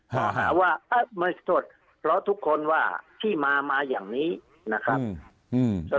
หาว่าเอ๊ะไม่สุดเพราะทุกคนว่าที่มามาอย่างนี้นะครับ